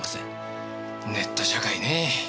ネット社会ねぇ。